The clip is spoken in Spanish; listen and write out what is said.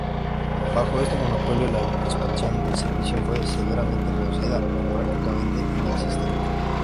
Bajo este monopolio, la expansión del servicio fue severamente reducida o prácticamente inexistente.